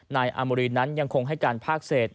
นายอามรีนั้นยังคงให้การภาคเศษ